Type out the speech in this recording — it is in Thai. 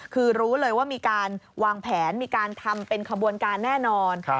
คือรู้เลยว่ามีการวางแผนมีการทำเป็นขบวนการแน่นอน